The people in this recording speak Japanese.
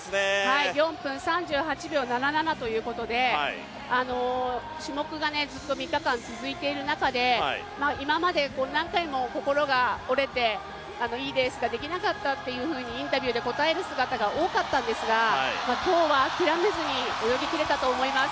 ４分３８秒７７ということで種目がずっと３日間続いている中で今まで何回も心が折れて、いいレースができなかったというふうにインタビューで答える姿が多かったんですが、今日は諦めずに泳ぎ切れたと思います。